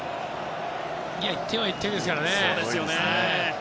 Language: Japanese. １点は１点ですからね。